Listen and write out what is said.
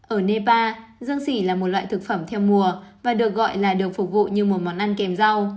ở nepar dương xỉ là một loại thực phẩm theo mùa và được gọi là được phục vụ như một món ăn kèm rau